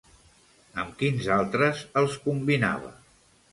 Amb quins altres els combinava?